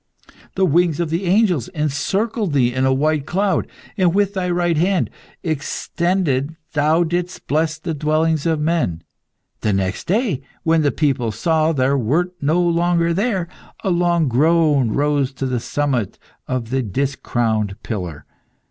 The wings of the angels encircled thee in a white cloud, and with thy right hand extended thou didst bless the dwellings of man. The next day, when the people saw thou wert no longer there, a long groan rose to the summit of the discrowned pillar.